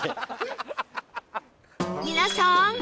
皆さん！